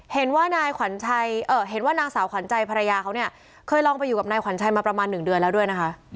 เห็นว่านางสาวขวัญใจภรรยาเค้าเนี่ยเคยลองไปอยู่กับนายขวัญใจมาประมาณหนึ่งเดือนแล้วด้วยนะคะ